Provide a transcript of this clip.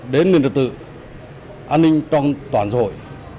đến nguyên lực tự an ninh trong toàn xã hội